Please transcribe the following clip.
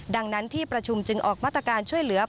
ดังนั้นที่ประชุมจึงออกมาตรการช่วยเหลือ